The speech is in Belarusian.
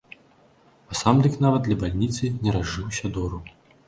А сам дык нават для бальніцы не разжыўся дору!